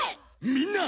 みんな！